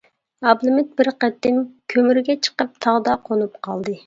ئابلىمىت بىر قېتىم كۆمۈرگە چىقىپ تاغدا قونۇپ قالدى.